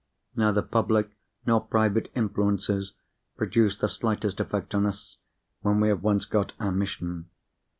Neither public nor private influences produce the slightest effect on us, when we have once got our mission.